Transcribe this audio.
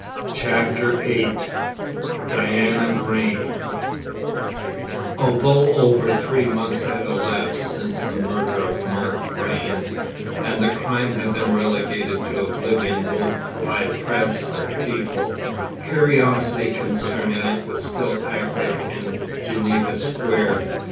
CHAPTER VIII DIANA VRAIN Although over three months had elapsed since the murder of Mark Vrain, and the crime had been relegated to oblivion both by press and people, curiosity concerning it was still active in Geneva Square.